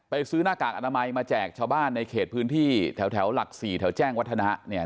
ซื้อหน้ากากอนามัยมาแจกชาวบ้านในเขตพื้นที่แถวหลัก๔แถวแจ้งวัฒนะเนี่ย